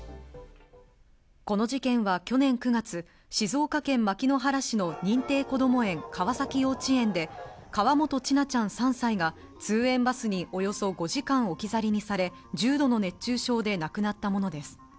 この事件は去年９月、静岡県牧之原市の認定こども園・川崎幼稚園で河本千奈ちゃん、３歳が通園バスにおよそ５時間、置き去りにされ、重度の熱中症で亡くなったものです。